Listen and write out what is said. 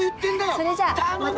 それじゃまた！